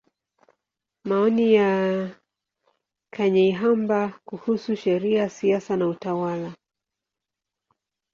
Maoni ya Kanyeihamba kuhusu Sheria, Siasa na Utawala.